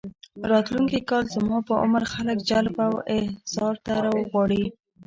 راتلونکي کال زما په عمر خلک جلب او احضار ته ورغواړي.